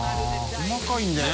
細かいんだよ。